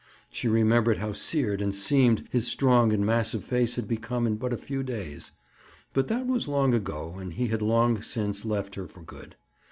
She remembered how seared and seamed his strong and massive face had become in but a few days. But that was long ago and he had long since left her for good.